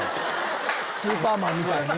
スーパーマンみたいに？